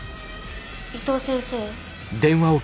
伊藤先生？